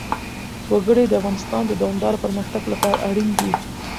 وګړي د افغانستان د دوامداره پرمختګ لپاره اړین دي.